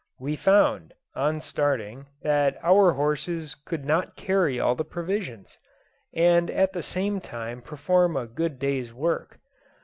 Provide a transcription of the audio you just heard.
We found, on starting, that our horses could not carry all the provisions, and at the same time perform a good day's work.